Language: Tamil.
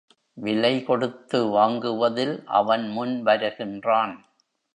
விலை கொடுத்து வாங்குவதில் அவன் முன் வருகின்றான்.